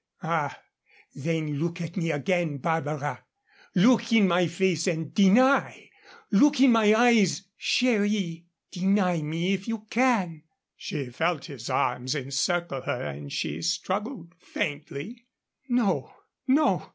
"Ah, then look at me again, Barbara. Look in my face and deny. Look in my eyes, chérie deny me if you can." She felt his arms encircle her, and she struggled faintly. "No, no.